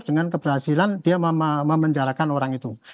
dengan keberhasilan dia memenjarakan orang itu